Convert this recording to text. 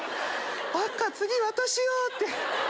「バカ次私よ」って。